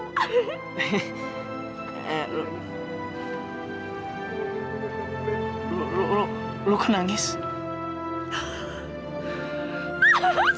terima kasih sekarang aku pacar kamu ya